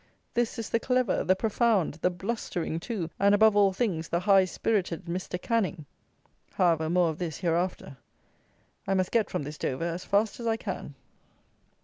This is the clever, the profound, the blustering, too, and, above all things, "the high spirited" Mr. Canning. However, more of this, hereafter. I must get from this Dover, as fast as I can.